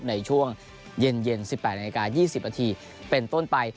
ในช่วงเย็น๑๘นาฑิกา๒๐นาฑิกาเป็นต้นไป